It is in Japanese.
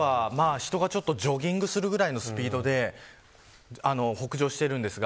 人がジョギングするぐらいのスピードで北上しています。